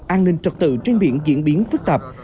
an ninh trật tự trên biển diễn biến phức tạp